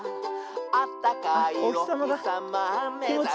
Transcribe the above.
「あったかいおひさまめざして」